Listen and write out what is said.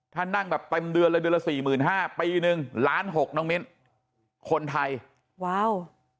ถ้านั่งแบบเต็มเดือนเลยเดือนละสี่หมื่นห้าปีหนึ่งล้านหกน้องมิ้นคนไทยว้าว